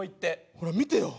ほら見てよ。